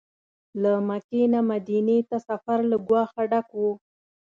له مکې نه مدینې ته سفر له ګواښه ډک و.